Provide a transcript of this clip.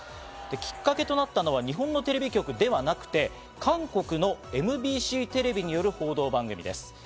きっかけとなったのは日本のテレビ局ではなくて、韓国のＭＢＣテレビによる報道番組です。